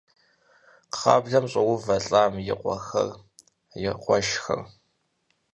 Кхъаблэм щӏоувэ лӏам и къуэхэр, и къуэшхэр.